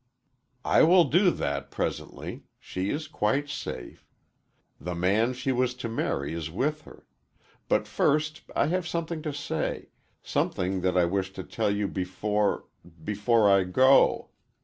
"I will do that, presently. She is quite safe. The man she was to marry is with her. But first I have something to say something that I wish to tell you before before I go.